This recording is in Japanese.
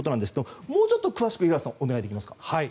もうちょっと詳しく五十嵐さんお願いできますか。